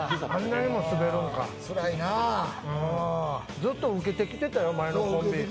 ずっとウケてきたよ、前のコンビ。